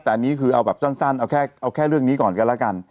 แต่อันนี้คือเอาแบบสั้นเอาแค่เอาแค่เรื่องนี้ก่อนกันแล้วกัน